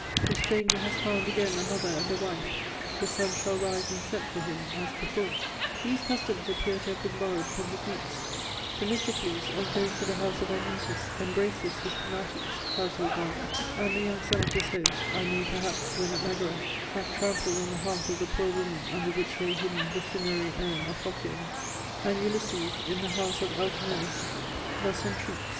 '^ The stranger has found again a mother and a wife ; the sun shall rise and set for him as before." These customs appear to have been borrowed from the Greeks ; Themistocles, on going to the house of Admetus, embraces his Penates (household gods) and the young son of his host (1 may, perhaps, when at Megara, have trampled on the hearth of the poor woman, under which lay hidden the cinerary urn of rhocion) ; and Ulysses, in the nouse of Alcinous^ thus entreats VOL.